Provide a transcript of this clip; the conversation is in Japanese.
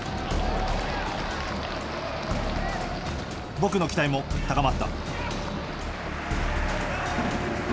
僕の期待も高まった。